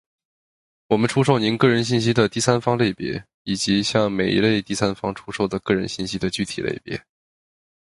我们出售您个人信息的第三方类别，以及向每一类第三方出售的个人信息的具体类别。